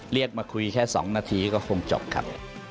เรียกมาคุยแค่๒นาทีก็คงจบครับ